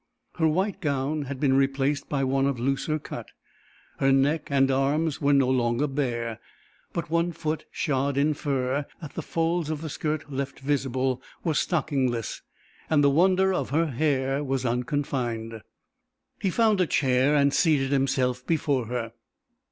Her white gown had been replaced by one of looser cut; her neck and arms were no longer bare, but one foot shod in fur that the folds of the skirt left visible was stockingless and the wonder of her hair was unconfined. He found a chair and seated himself before her.